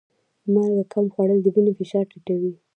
مالګه کم خوړل د وینې فشار ټیټوي.